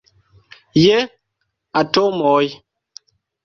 Je atomoj.